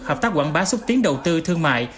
hợp tác quảng bá xúc tiến đầu tư thương mại